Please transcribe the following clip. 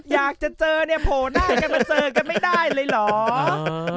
อยากจะเจอเนี่ยเ฽าะหน้ากันเผื่อเจอกันไม่ได้เลยหรอก